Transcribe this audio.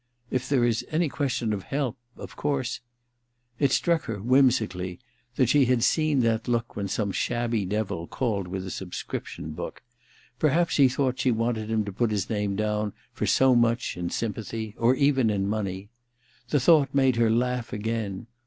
4f there is any question of help — of course ' It struck her, whimsically, that she had seen that look when some shabby devil called with a subscription book. Perhaps he thought she Ill THE RECKONING 229 wanted him to put his name down for so much in sympathy — or even in money. ... The thought made her laugh again.